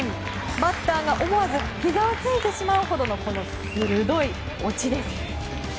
バッターが思わずひざをついてしまうほどのこの鋭い落ちです。